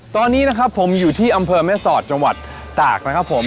ตอนนี้นะครับผมอยู่ที่อำเภอแม่สอดจังหวัดตากนะครับผม